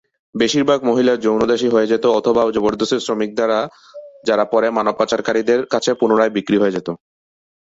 বেশির ভাগ মহিলা 'যৌন দাসী' হয়ে যেত অথবা জবরদস্তি শ্রমিক যারা পরে মানব পাচারকারীদের কাছে পুনরায় বিক্রি হয়ে যেত।